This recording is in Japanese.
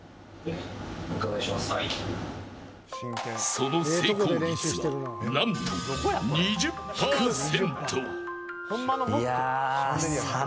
その成功率は、何と２０％。